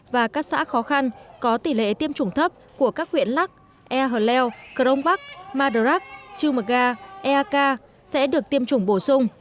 và các xã khó khăn có tỷ lệ tiêm chủng thấp của các huyện lắc ea hờ leo crong bắc madarak chumaga ea ca sẽ được tiêm chủng bổ sung